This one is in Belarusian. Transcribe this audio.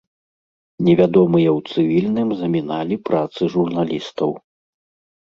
Невядомыя ў цывільным заміналі працы журналістаў.